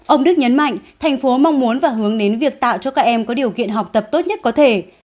ông đức nhấn mạnh thành phố mong muốn và hướng đến việc tạo cho các em có điều kiện học tập tốt nhất có thể